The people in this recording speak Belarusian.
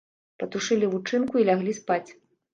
Патушылі лучынку і ляглі спаць.